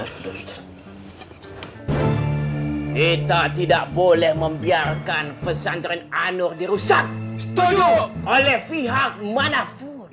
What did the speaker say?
kita tidak boleh membiarkan pesantren anur dirusak dulu oleh pihak manapun